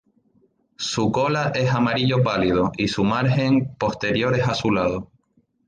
Su cola es amarillo pálido y su margen posterior es azulado.